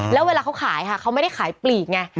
แล้วเวลาเขาขายค่ะเขาไม่ได้ขายปลีกไง